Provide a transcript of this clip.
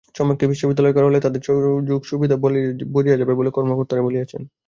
চমেককে বিশ্ববিদ্যালয় করা হলে তাঁদের সুযোগ-সুবিধা কমে যাবে বলে কর্মকর্তা-কর্মচারীরা মনে করছেন।